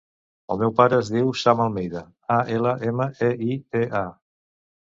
El meu pare es diu Sam Almeida: a, ela, ema, e, i, de, a.